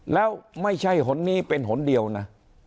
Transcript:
แล้วไม่ใช่หนนี้เป็นหนเดียวนะ